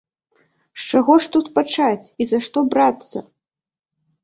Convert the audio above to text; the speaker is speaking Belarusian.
З чаго ж тут пачаць і за што брацца?